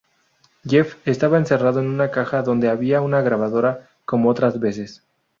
Jeff estaba encerrado en una caja, donde había una grabadora, como otras veces.